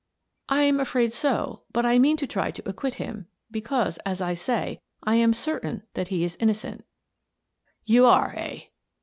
" I am afraid so, but I mean to try to acquit him, because, as I say, I am certain that he is innocent" " You are, eh